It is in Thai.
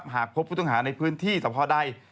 หากพบผู้ต้องหาในพื้นที่สะพอใด